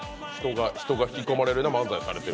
人が引き込まれるような漫才をしている？